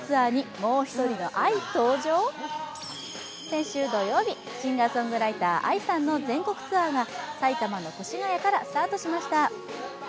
先週土曜日、シンガーソングライター、ＡＩさんの全国綱ーが埼玉の越谷からスタートしました。